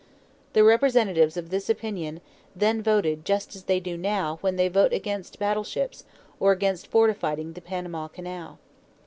The representatives of this opinion then voted just as they now do when they vote against battle ships or against fortifying the Panama Canal.